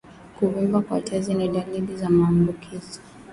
Kuvimba kwa tezi ni dalili za maambukizi